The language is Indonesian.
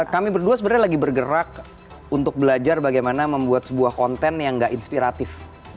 kami berdua sebenarnya lagi bergerak untuk belajar bagaimana membuat sebuah konten yang gak inspiratif